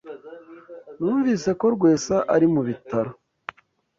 Numvise ko Rwesa ari mu bitaro.